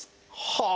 はあ！